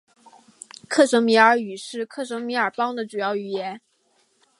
克什米尔语是克什米尔邦的主要语言。